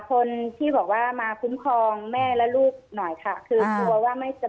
คนที่บอกว่ามาคุ้มครองแม่และลูกหน่อยค่ะคือกลัวว่าไม่จะ